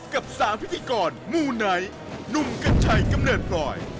กับสามพิธีกรหมูไหนหนุ่มกัจฉัยกำเนิดปล่อย